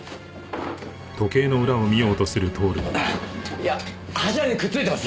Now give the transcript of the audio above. いや柱にくっついてます！